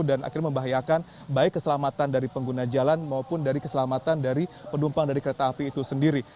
dan akhirnya membahayakan baik keselamatan dari pengguna jalan maupun dari keselamatan dari pendumpang dari kereta api itu sendiri